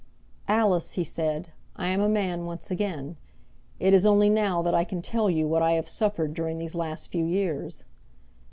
"Alice," he said, "I am a man once again. It is only now that I can tell you what I have suffered during these last few years."